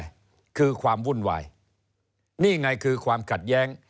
อะไรคือความวุ่นวายนี่ไงคือความขัดแย้ง